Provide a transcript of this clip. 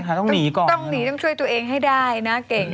ต้องหนีก่อนต้องหนีต้องช่วยตัวเองให้ได้นะเก่ง